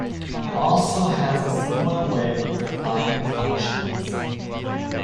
It also has a similar way of defining functions.